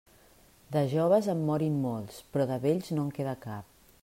De joves en morin molts, però de vells no en queda cap.